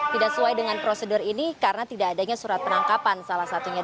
tidak sesuai dengan prosedur ini karena tidak adanya surat penangkapan salah satunya